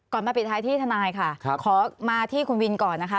มาปิดท้ายที่ทนายค่ะขอมาที่คุณวินก่อนนะคะ